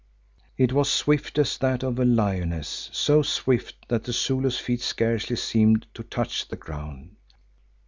It was swift as that of a lioness, so swift that the Zulu's feet scarcely seemed to touch the ground.